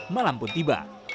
malam pun tiba